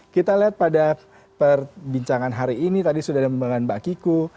kita lihat pada perbincangan hari ini tadi sudah ada pembahasan mbak kiku